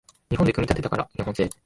日本で組み立てたから日本製